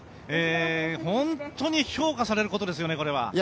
本当に評価されることですよねこれは。